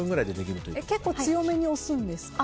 結構強めに押すんですか？